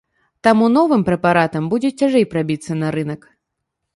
Таму новым прэпаратам будзе цяжэй прабіцца на рынак.